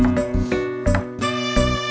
mau liat apa lagi